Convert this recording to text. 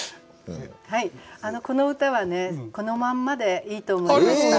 この歌はこのまんまでいいと思いました。